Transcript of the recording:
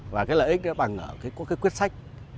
và cái lợi ích đó bằng cái quyết sách